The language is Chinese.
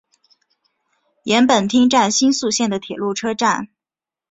岩本町站新宿线的铁路车站。